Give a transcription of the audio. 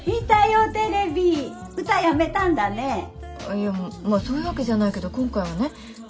いやそういうわけじゃないけど今回はね。